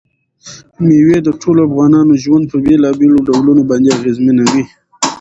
مېوې د ټولو افغانانو ژوند په بېلابېلو ډولونو باندې اغېزمنوي.